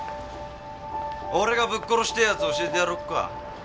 俺がぶっ殺してえやつ教えてやろっか。